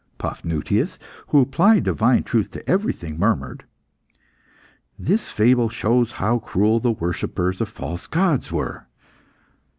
Paphnutius, who applied divine truth to everything murmured "This fable shows how cruel the worshippers of false gods were."